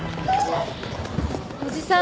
おじさん